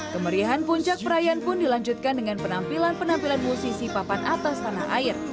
kemeriahan puncak perayaan pun dilanjutkan dengan penampilan penampilan musisi papan atas tanah air